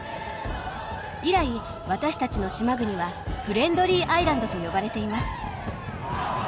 以来私たちの島国は「フレンドリー・アイランド」と呼ばれています。